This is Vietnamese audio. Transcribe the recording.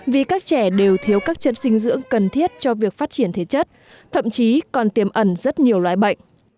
vì các trẻ đều thiếu các chất dinh dưỡng cần thiết cho việc phát triển thể chất thậm chí còn tiềm ẩn rất nhiều loại bệnh